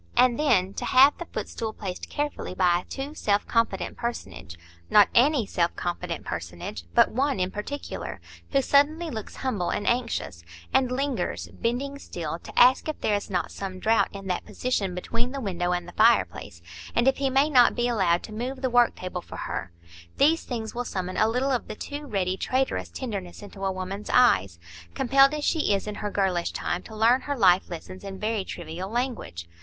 And then, to have the footstool placed carefully by a too self confident personage,—not any self confident personage, but one in particular, who suddenly looks humble and anxious, and lingers, bending still, to ask if there is not some draught in that position between the window and the fireplace, and if he may not be allowed to move the work table for her,—these things will summon a little of the too ready, traitorous tenderness into a woman's eyes, compelled as she is in her girlish time to learn her life lessons in very trivial language.